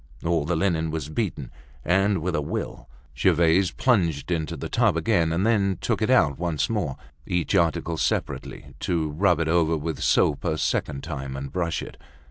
All the linen was beaten, and with a will! Gervaise plunged it into the tub again, and then took it out once more, each article separately, to rub it over with soap a second time and brush it.